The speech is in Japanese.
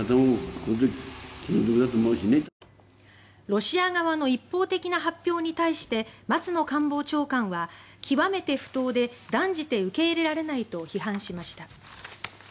ロシア側の一方的な発表に対して松野官房長官は極めて不当で断じて受け入れられないと批判しました。